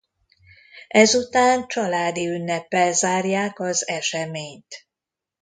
Ezután családi ünneppel zárják az eseményt.